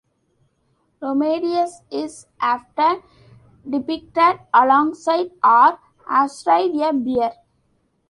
Romedius is often depicted alongside or astride a bear.